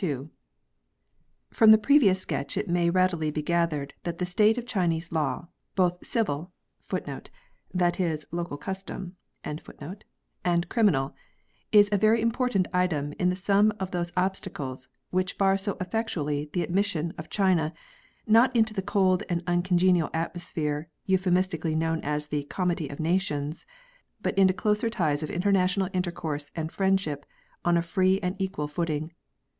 II, From the previous sketch it may readily be gathered that the state of Chinese law, both civil * and criminal, is a very important item in the sum of those obstacles which bar so effectually the admission of China — not into the cold and uncongenial atmosphere euphuisti cally known as the "comity of nations" — but into closer ties of international intercourse and friendship on a free and equal footing.